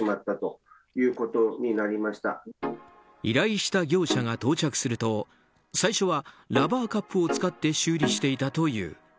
依頼した業者が到着すると最初はラバーカップを使って修理していたという。